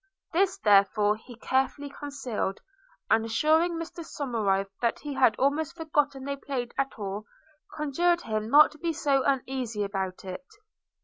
This therefore he carefully concealed, and, assuring Mr Somerive that he had almost forgot they played at all, conjured him not to be uneasy about it.